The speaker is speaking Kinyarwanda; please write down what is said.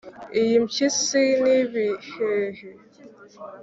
iyi mpyisi ni bihehe.